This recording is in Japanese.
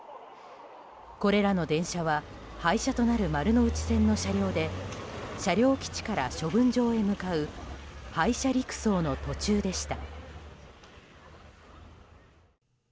これらの電車は廃車となる丸ノ内線の車両で車両基地から処分場へ向かう廃車陸送の途中でした。